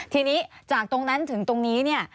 ทีนี้จากตรงนั้นถึงตรงนี้